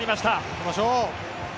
行きましょう！